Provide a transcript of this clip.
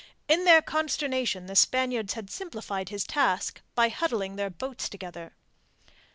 In their consternation the Spaniards had simplified his task by huddling their boats together.